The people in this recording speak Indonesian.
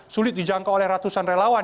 sulit dijangkau oleh ratusan relawan